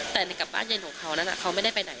แต่กลับบ้านเย็นของเขานั้นเขาไม่ได้ไปไหน